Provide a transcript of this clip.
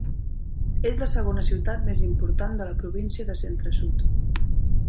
És la segona ciutat més important de la província de Centre Sud.